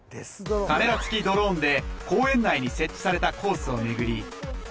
カメラ付きドローンで公園内に設置されたコースを巡り